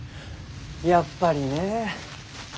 やっぱりねえ。